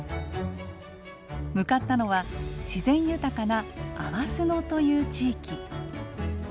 向かったのは自然豊かな粟巣野という地域。